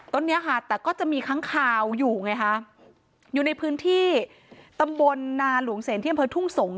ต้นเนี้ยค่ะแต่ก็จะมีครั้งข่าวอยู่ไงค่ะอยู่ในพื้นที่ตำบลนาหลวงเศรษฐียมเภอทุ่งสงศ์